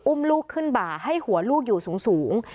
ลูกขึ้นบ่าให้หัวลูกอยู่สูง